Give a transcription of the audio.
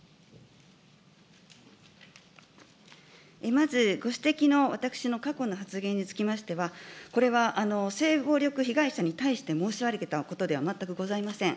まず、ご指摘の私の過去の発言につきましては、これは性暴力被害者に対して申し上げたことでは全くございません。